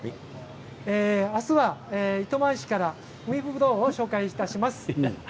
明日は糸満市から海ぶどうを紹介します。